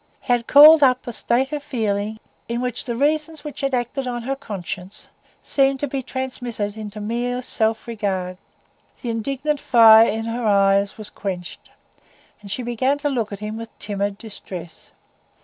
He had called up a state of feeling in which the reasons which had acted on her conscience seemed to be transmitted into mere self regard. The indignant fire in her eyes was quenched, and she began to look at him with timid distress.